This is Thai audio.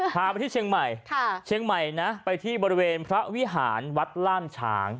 พาไปที่เชียงใหม่เชียงใหม่นะไปที่บริเวณพระวิหารวัดล่ามฉาง